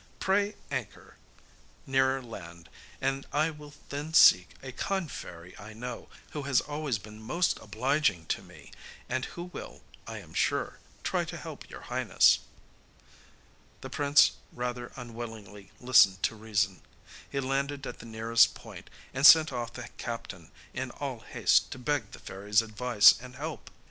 'Pray anchor nearer land, and I will then seek a kind fairy I know, who has always been most obliging to me, and who will, I am sure, try to help your Highness.' The prince rather unwillingly listened to reason. He landed at the nearest point, and sent off the captain in all haste to beg the fairy's advice and help.